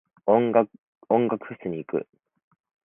音楽フェス行く。